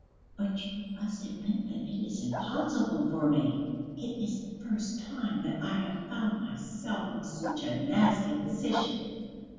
"But you must admit that it is impossible for me. It is the first time that I have found myself in such a nasty position."